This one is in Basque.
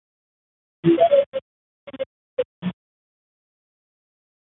Udaberria etorri zaigu, konturatu orduko.